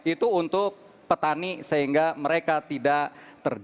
itu untuk petani sehingga mereka tidak terjual